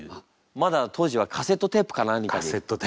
まだ当時はカセットテープか何かに？